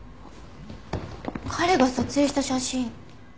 彼が撮影した写真。